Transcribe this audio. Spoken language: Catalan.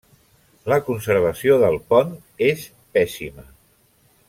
La conservació del pont és pèssima.